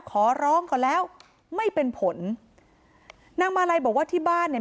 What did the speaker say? ขอร้องก่อนแล้วไม่เป็นผลนางมาลัยบอกว่าที่บ้านเนี่ย